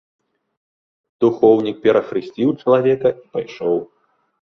Духоўнік перахрысціў чалавека і пайшоў.